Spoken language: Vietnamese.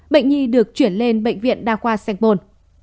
bệnh nhi được chuyển lên bệnh viện đào khoa sengpon